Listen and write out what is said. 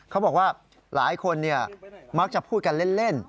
เขาบอกว่าหลายคนมักจะพูดกันเล่น